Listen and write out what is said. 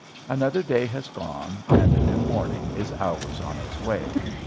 Another day has gone and a new morning is hours on its way.